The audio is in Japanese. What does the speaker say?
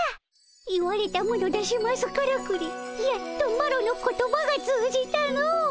言われたもの出しますからくりやっとマロの言葉が通じたの。